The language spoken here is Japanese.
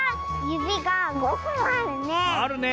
ゆびが５ほんあるね。